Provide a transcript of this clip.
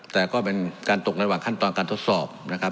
แต่ก็เป็นการตกระหว่างขั้นตอนการทดสอบนะครับ